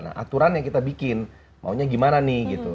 nah aturan yang kita bikin maunya gimana nih gitu